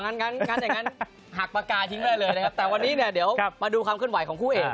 งั้นหักปากกาทิ้งได้เลยนะครับแต่วันนี้เนี่ยเดี๋ยวมาดูความขึ้นไหวของคู่เอก